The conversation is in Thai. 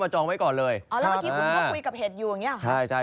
อ๋อแล้วเมื่อกี้คุณก็คุยกับเห็ดอยู่อย่างนี้หรอ